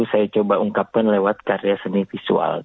saya coba ungkapkan lewat karya seni visual